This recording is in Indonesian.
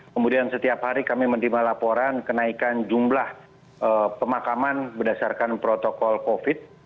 kemudian setiap hari kami menerima laporan kenaikan jumlah pemakaman berdasarkan protokol covid